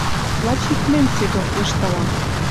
Лач ик мӹнь седок йыштылам